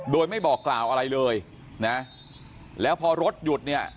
โดยไม่บอกกล่าวอะไรเลยนะแล้วพอรถหยุดเนี่ย